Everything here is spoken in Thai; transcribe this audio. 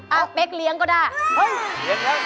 เอ้าเป๊กเลี้ยงก็ได้เฮ่ย